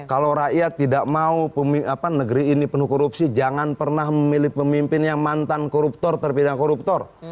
kalau rakyat tidak mau negeri ini penuh korupsi jangan pernah memilih pemimpin yang mantan koruptor terpidana koruptor